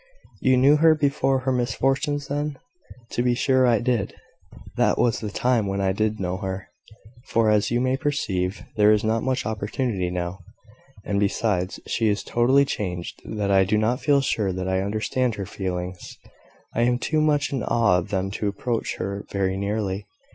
"You knew her before her misfortunes then?" "To be sure I did: that was the time when I did know her; for, as you may perceive, there is not much opportunity now. And, besides, she is so totally changed, that I do not feel sure that I understand her feelings I am too much in awe of them to approach her very nearly.